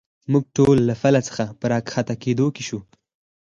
موږ ټول له پله څخه په را کښته کېدو شو.